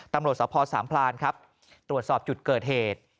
ตำรวจสภสามพลานครับตรวจสอบจุดเกิดเหตุ